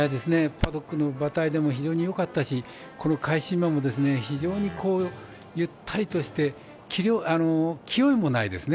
パドックの馬体でも非常によかったしこの返し馬も非常にゆったりとして気負いもないですね。